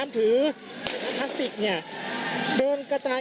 คุณภูริพัฒน์บุญนิน